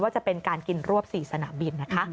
จะเป็นการกินรวบ๔สนามบินนะคะ